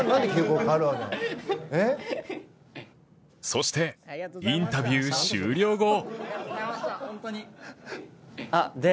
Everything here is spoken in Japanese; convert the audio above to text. そして、インタビュー終了後。